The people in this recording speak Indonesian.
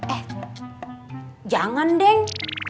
eh jangan deng